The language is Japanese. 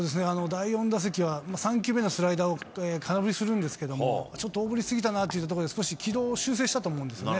第４打席は３球目のスライダーを空振りするんですけれども、ちょっと大振りし過ぎたなというところで少し軌道を修正したと思うんですね。